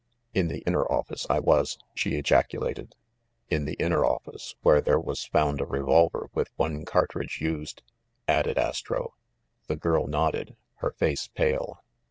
"In the inner office, I was," she ejaculated. "In the inner office, where there was found a re Solver with one cartridge used," added Astro. iThe girl nodded, her face pale.